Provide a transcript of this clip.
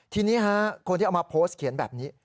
ทีนี้คนที่เอามาโพสต์เขียนแบบนี้